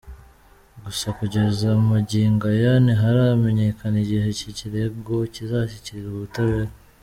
Gusa kugeza magingo aya ntiharamenyekana, igihe iki kirego kizashyikirizwa ubutabera.